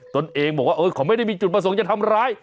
ตนเองบอกว่าเขาไม่ได้มีจุดประสงค์จะทำร้าย